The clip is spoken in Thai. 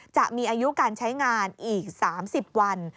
จะมีอายุการใช้งานอีก๓๐วัน